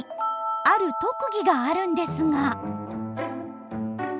ある特技があるんですが。